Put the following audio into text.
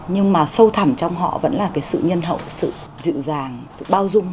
nhưng mà sâu thẳm trong họ vẫn là cái sự nhân hậu sự dịu dàng sự bao dung